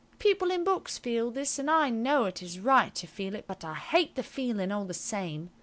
People in books feel this, and I know it is right to feel it, but I hate the feeling all the same.